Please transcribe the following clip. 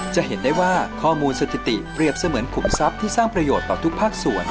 จะเห็นได้ว่าข้อมูลสถิติเปรียบเสมือนขุมทรัพย์ที่สร้างประโยชน์ต่อทุกภาคส่วน